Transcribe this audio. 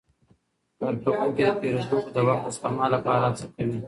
کارکوونکي د پیرودونکو د وخت د سپما لپاره هڅه کوي.